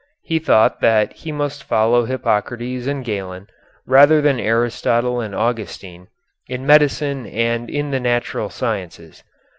He thought that he must follow Hippocrates and Galen, rather than Aristotle and Augustine, in medicine and in the natural sciences.